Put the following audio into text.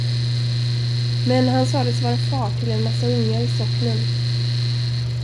Men han sades vara far till en massa ungar i socknen.